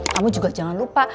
kamu juga jangan lupa